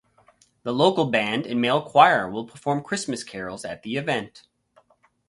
The local band and male choir will perform Christmas carols at the event.